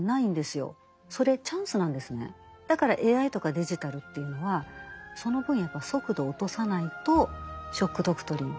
だからＡＩとかデジタルというのはその分やっぱり速度を落とさないと「ショック・ドクトリン」